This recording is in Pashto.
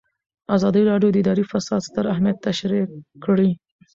ازادي راډیو د اداري فساد ستر اهميت تشریح کړی.